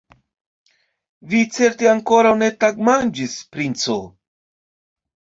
Vi certe ankoraŭ ne tagmanĝis, princo?